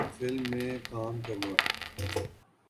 film میں کام کرنے